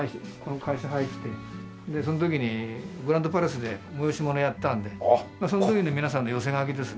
でその時にグランドパレスで催し物やったのでその時の皆さんの寄せ書きですね。